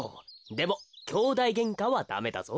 でもきょうだいげんかはダメだぞ。